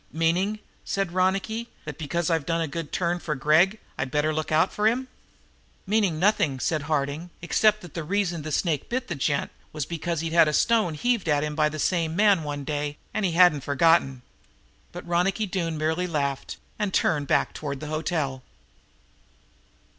"Meaning," said Ronicky, "that, because I've done a good turn for Gregg, I'd better look out for him?" "Meaning nothing," said Harding, "except that the reason the snake bit the gent was because he'd had a stone heaved at him by the same man one day and hadn't forgot it." But Ronicky Doone merely laughed and turned back toward the hotel.